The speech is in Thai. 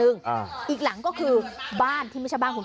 สุดทนแล้วกับเพื่อนบ้านรายนี้ที่อยู่ข้างกัน